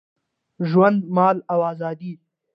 ژوند، مال او آزادي